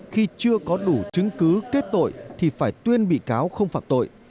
khi chưa có đủ chứng cứ kết tội thì phải tuyên bị cáo không phạm tội